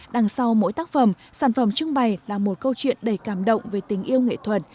đằng sau mỗi tác phẩm sản phẩm trưng bày là một câu chuyện đầy cảm động về tình yêu nghệ thuật